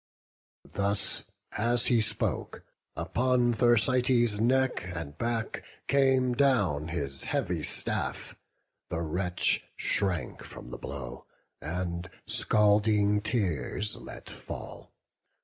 Thus as he spoke, upon Thersites' neck And back came down his heavy staff; the wretch Shrank from the blow, and scalding tears let fall.